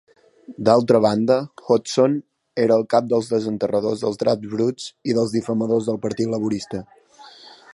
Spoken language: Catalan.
D'altra banda, Hodgson era el "cap dels desenterradors dels draps bruts i dels difamadors" del partit laborista.